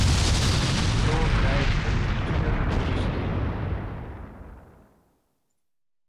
It lân krijt in natuerlike bestimming.